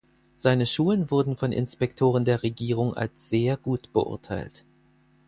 Seine Schulen wurden von Inspektoren der Regierung als sehr gut beurteilt.